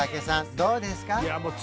どうですか？